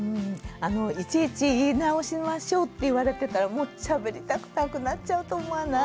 いちいち「言い直しましょう」って言われてたらもうしゃべりたくなくなっちゃうと思わない？